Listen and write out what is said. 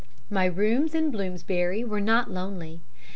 My rooms in Bloomsbury were not lonely.